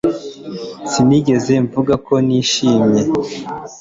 Sinigeze mvuga ko ntishimye